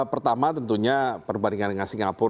pertama tentunya perbandingan dengan singapura